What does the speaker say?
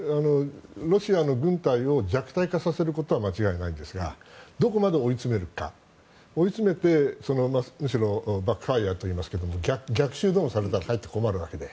ロシアの軍隊を弱体化させることは間違いないんですがどこまで追い詰めるか追い詰めて、むしろバックファイアといいますが逆襲をされたらかえって困るわけで